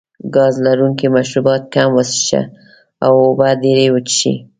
ګاز لرونکي مشروبات کم وڅښه او اوبه ډېرې وڅښئ.